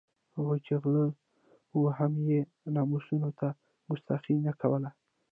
هغوی چې غله وو هم یې ناموسونو ته کستاخي نه کوله.